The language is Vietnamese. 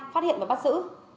phát hiện bắt giữ